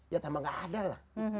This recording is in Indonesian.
ya tambah gak ada lah